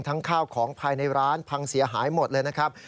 ข้าวของภายในร้านพังเสียหายหมดเลยนะครับ